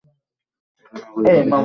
এটি নাগরিক অধিকারের পর্যায়ে পড়ে।